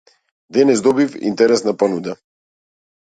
Денес добив интересна понуда.